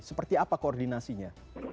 seperti apa koordinasinya